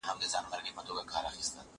زه بايد سبزیجات جمع کړم،